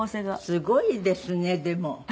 すごいですねでも。